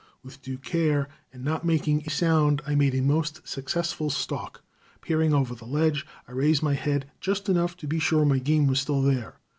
With due care, and not making a sound, I made a most successful stalk. Peering over the ledge, I raised my head just enough to be sure my game was still there.